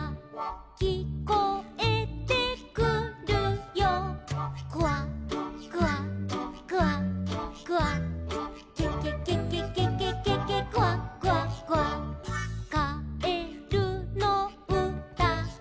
「きこえてくるよ」「クワクワクワクワ」「ケケケケケケケケクワクワクワ」「かえるのうたが」